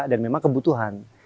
dan memang kebutuhan